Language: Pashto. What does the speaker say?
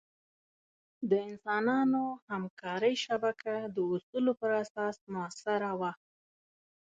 د انسانانو همکارۍ شبکه د اصولو پر اساس مؤثره وه.